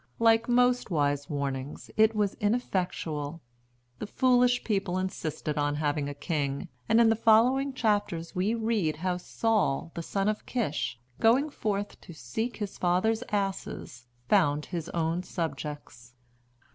Like most wise warnings it was ineffectual; the foolish people insisted on having a king, and in the following chapters we read how Saul the Son of Kish, going forth to seek his father's asses, found his own subjects.